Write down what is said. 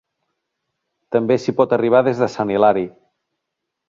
També s’hi pot arribar des de Sant Hilari.